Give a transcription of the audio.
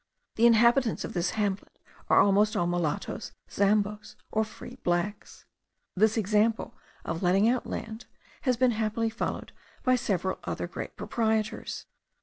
The inhabitants of this hamlet are almost all mulattos, Zamboes, or free blacks. This example of letting out land has been happily followed by several other great proprietors.